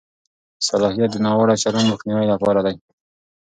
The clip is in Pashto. صلاحیت د ناوړه چلند مخنیوي لپاره دی.